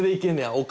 お金？